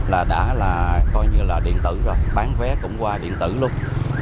là đã là coi như là điện tử rồi bán vé cũng qua điện tử luôn